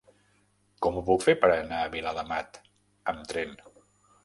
Com ho puc fer per anar a Viladamat amb tren?